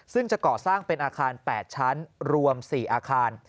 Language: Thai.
ซึ่งจะก่อสร้างเป็นอาคาร๘ชั้นรวม๔อาคาร